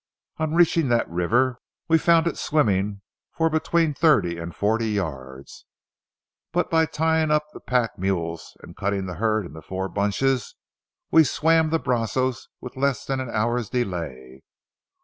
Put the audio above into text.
On reaching that river, we found it swimming for between thirty and forty yards; but by tying up the pack mules and cutting the herd into four bunches, we swam the Brazos with less than an hour's delay.